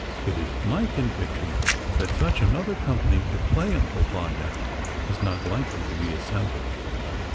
It is my conviction that such another company to play "Uncle Vanya" is not likely to be assembled.